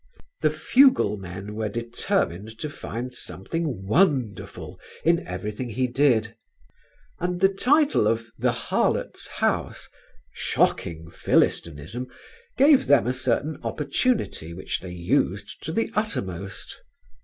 The fuglemen were determined to find something wonderful in everything he did, and the title of "The Harlot's House," shocking Philistinism, gave them a certain opportunity which they used to the uttermost.